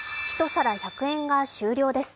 １皿１００円が終了です。